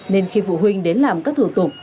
nên khi phụ huynh đến làm các thủ tục